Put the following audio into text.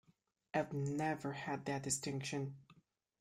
I've never had that distinction.